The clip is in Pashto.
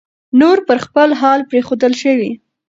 نور پر خپل حال پرېښودل شوی